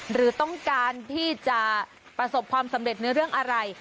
หรือต้องการที่จะประสบความสำเร็จในเรื่องอะไร